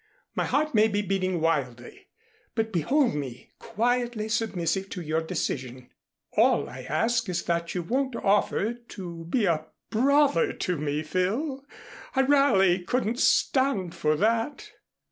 "My heart may be beating wildly, but behold me quietly submissive to your decision. All I ask is that you won't offer to be a brother to me, Phil. I really couldn't stand for that."